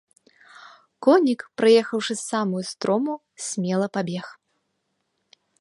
Конік, праехаўшы самую строму, смела пабег.